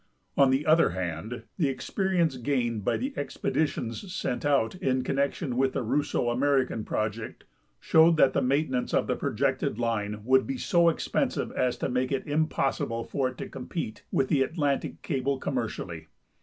On the other hand, the experience gained by the expedi tions sent out in connection with the Russo American project showed that tlie maintenance of the projected line would he so expensive as to make it iin possible for it to compete with the Atlantic cable, commercially.